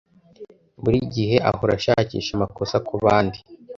Buri gihe ahora ashakisha amakosa kubandi.